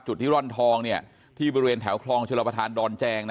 จุดที่ร่อนทองเนี่ยที่บริเวณแถวคลองชุดราวประธานดอนแจงนะ